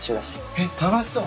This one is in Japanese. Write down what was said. えっ楽しそう。